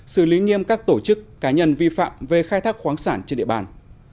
xử lý nghiêm các tổ chức cá nhân vi phạm về khai thác khoáng sản trên địa bàn